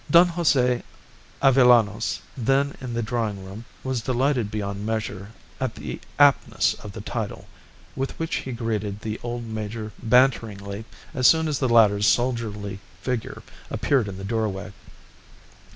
Don Jose Avellanos, then in the drawing room, was delighted beyond measure at the aptness of the title, with which he greeted the old major banteringly as soon as the latter's soldierly figure appeared in the doorway.